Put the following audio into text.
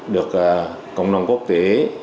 được cộng đồng quốc tế